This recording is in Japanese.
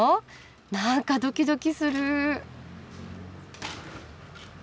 何かドキドキする。